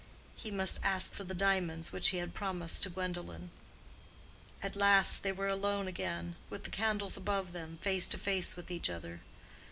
He must ask for the diamonds which he had promised to Gwendolen. At last they were alone again, with the candles above them, face to face with each other.